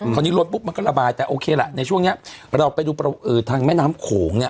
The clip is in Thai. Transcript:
คราวนี้ลดปุ๊บมันก็ระบายแต่โอเคล่ะในช่วงนี้เราไปดูทางแม่น้ำโขงเนี่ย